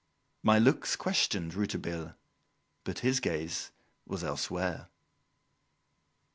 My looks questioned Rouletabille, but his gaze was elsewhere.